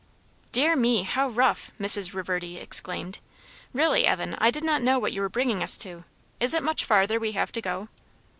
"Dear me, how rough!" Mrs. Reverdy exclaimed. "Really, Evan, I did not know what you were bringing us to. Is it much farther we have to go?"